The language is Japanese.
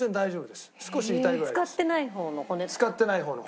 使ってない方の方。